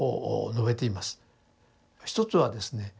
一つはですね